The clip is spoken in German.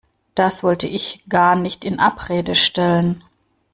Das wollte ich gar nicht in Abrede stellen.